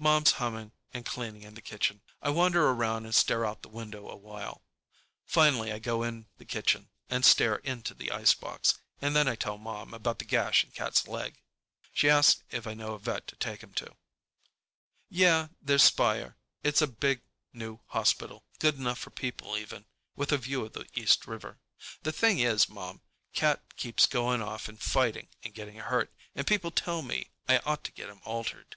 Mom's humming and cleaning in the kitchen. I wander around and stare out the window awhile. Finally I go in the kitchen and stare into the icebox, and then I tell Mom about the gash in Cat's leg. She asks if I know a vet to take him to. "Yeah, there's Speyer. It's a big, new hospital—good enough for people, even—with a view of the East River. The thing is, Mom, Cat keeps going off and fighting and getting hurt, and people tell me I ought to get him altered."